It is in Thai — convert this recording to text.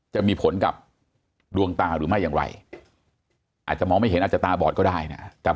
จะมีผลกับดวงตาหรือไม่อย่างไรอาจจะมองไม่เห็นอาจจะตาบอดก็ได้นะ